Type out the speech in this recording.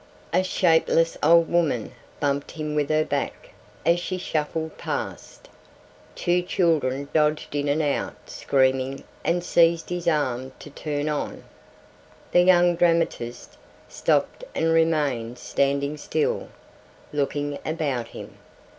A shapeless old woman bumped him with her back as she shuffled past. Two children dodged in and out screaming and seized his arm to turn on. The young dramatist stopped and remained standing still, looking about him.